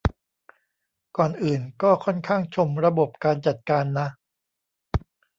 ก่อนอื่นก็ค่อนข้างชมระบบการจัดการนะ